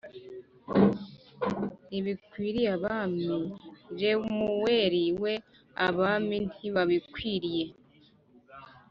Ntibikwiriye abami, lemuweli we, abami ntibibakwiriye